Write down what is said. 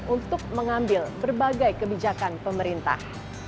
untuk mengambil berbagai kebijakan pemerintah